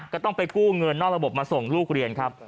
ก็ต้องไปกู้เงินนอกระบบมาส่งลูกเรียนครับ